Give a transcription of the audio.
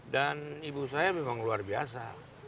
dan ibu saya memang luar biasa